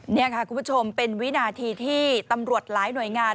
นี่ค่ะคุณผู้ชมเป็นวินาทีที่ตำรวจหลายหน่วยงาน